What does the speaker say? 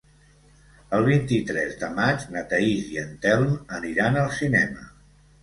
El vint-i-tres de maig na Thaís i en Telm aniran al cinema.